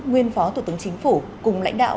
nguyên phó tổ tướng chính phủ cùng lãnh đạo